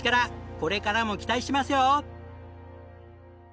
これからも期待してますよ！